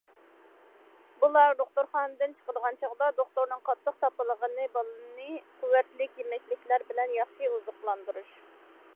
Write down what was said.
بولار دوختۇرخانىدىن چىقىدىغان چاغدا دوختۇرنىڭ قاتتىق تاپىلىغىنى بالىنى قۇۋۋەتلىك يېمەكلىكلەر بىلەن ياخشى ئوزۇقلاندۇرۇش.